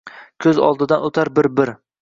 Ko’z oldidan o’tar bir-bir